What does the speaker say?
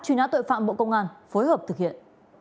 truy nã tội phạm bộ công an phối hợp thực hiện